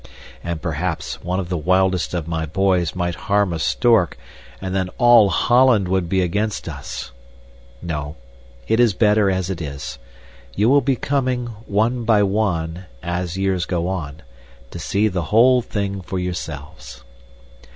And, perhaps, one of the wildest of my boys might harm a stork, and then all Holland would be against us! No. It is better as it is. You will be coming, one by one, as years go on, to see the whole thing for yourselves.